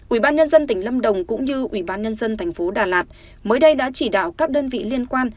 ubnd tỉnh lâm đồng cũng như ubnd thành phố đà lạt mới đây đã chỉ đạo các đơn vị liên quan